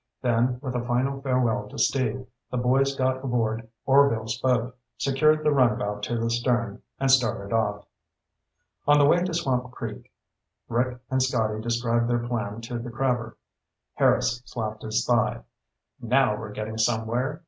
Then, with a final farewell to Steve, the boys got aboard Orvil's boat, secured the runabout to the stern, and started off. On the way to Swamp Creek, Rick and Scotty described their plan to the crabber. Harris slapped his thigh. "Now we're gettin' somewhere.